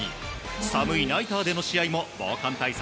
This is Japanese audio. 寒いナイターでの試合も防寒対策